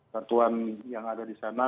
satuan yang ada di sana